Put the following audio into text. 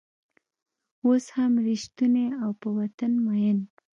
اوس هم رشتونی او په وطن مین